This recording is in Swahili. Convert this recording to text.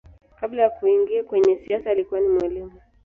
Kabla ya kuingia kwenye siasa alikuwa ni mwalimu.